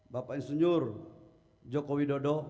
bapak insinyur joko widodo